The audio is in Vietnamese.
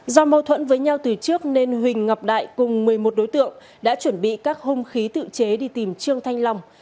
do mâu thuẫn với nhau từ trước nên huỳnh ngọc đại cùng một mươi một đối tượng đã chuẩn bị các hung khí tự chế đi tìm trương thanh long